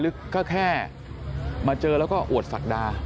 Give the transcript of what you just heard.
ก็แค่มาเจอแล้วก็อวดศักดา